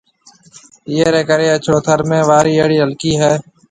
ايئيَ رَي ڪرَي اڇڙو ٿر ۾ وارِي اھڙِي ھلڪِي ھيََََ